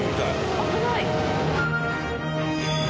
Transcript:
危ない。